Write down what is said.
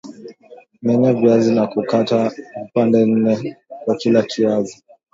Menya viazi na kukata vipande nne kwa kila kiazi